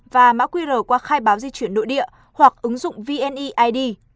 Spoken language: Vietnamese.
và mã qr qua khai báo di chuyển nội địa hoặc ứng dụng vneid